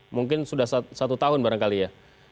mungkin sudah satu tahun barangkali ya